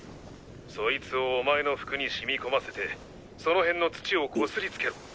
そいつをお前の服に染み込ませてその辺の土をこすり付けろ！